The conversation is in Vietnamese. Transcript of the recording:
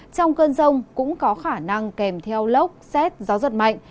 trong cơn rông cũng có khả năng kèm theo lốc xét gió giật mạnh